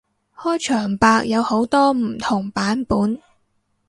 開場白有好多唔同版本